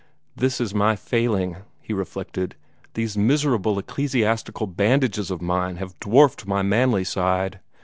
"That is my failing," he reflected; "these miserable ecclesiastical bandages of mine have dwarfed my manly side.